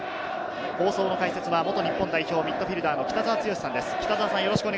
放送の解説は元日本代表・ミッドフィルダーの北澤豪さんです。